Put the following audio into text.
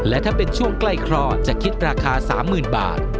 และถ้าเป็นช่วงใกล้คลอดจะคิดราคา๓๐๐๐บาท